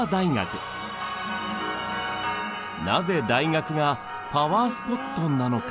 なぜ大学がパワースポットなのか？